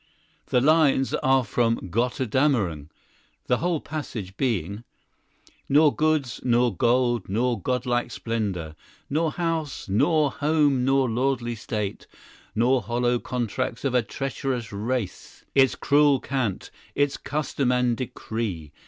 '" The lines are from "Götterdämmerung," the whole passage being— "Nor goods, nor gold, nor godlike splendor; Nor house, nor home, nor lordly state; Nor hollow contracts of a treach'rous race, Its cruel cant, its custom and decree.